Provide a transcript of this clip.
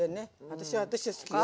私は私は好きよ。